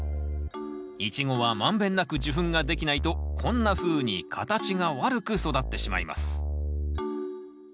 イチゴは満遍なく受粉ができないとこんなふうに形が悪く育ってしまいます。